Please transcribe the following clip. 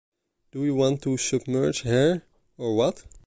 Do you want to submerge her or what?